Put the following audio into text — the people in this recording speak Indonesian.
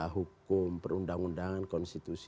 hukum perundang undangan konstitusi